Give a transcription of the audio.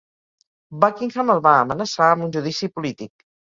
Buckingham el va amenaçar amb un judici polític.